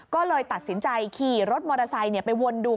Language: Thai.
ก็เลยตัดสินใจขี่รถมอเตอร์ไซค์ไปวนดู